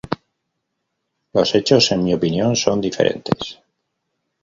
Los hechos, en mi opinión, son diferentes.